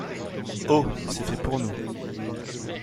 Oh ! c’est fait pour nous.